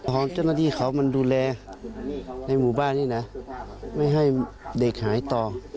ของเจ้าหน้าที่เขามันดูแลในหมู่บ้านนี้นะไม่ให้เด็กหายต่อ